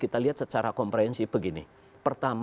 tapi kalau ini belum